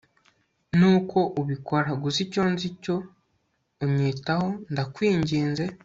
nuko ubikora gusa icyo nzi cyo unyitaho ndakwinginze